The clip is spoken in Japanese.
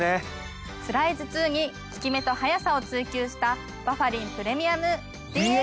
つらい頭痛に効き目と速さを追求したバファリンプレミアム。